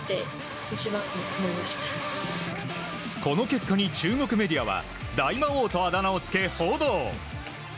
この結果に中国メディアは大魔王をあだ名をつけ報道。